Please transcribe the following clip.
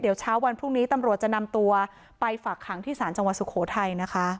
เดี๋ยวเช้าวันพรุ่งนี้ตำรวจจะนำตัวไปฝากขังที่ศาลจังหวัดสุโขทัยนะคะ